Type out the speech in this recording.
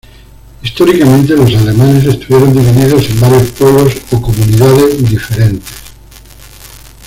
Históricamente los alemanes estuvieron divididos en varios pueblos o comunidades diferentes.